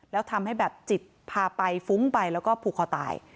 แล้วทำให้แบบจิตพาไปฟุ้งไปแล้วก็ผูกคอตาย